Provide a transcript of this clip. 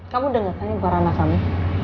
kamu denger kan yang beranak kamu